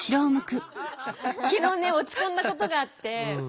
昨日ね落ち込んだことがあって。